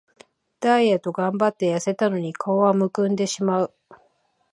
ダイエットがんばってやせたのに顔はむくんでしまう